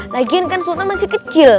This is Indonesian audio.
lagian kan sultan masih kecil